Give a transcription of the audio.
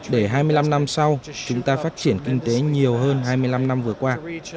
để hai mươi năm năm sau chúng ta phát triển kinh tế nhiều hơn hai mươi năm năm vừa qua